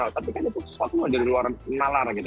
tapi kan itu sesuatu yang di luar nalar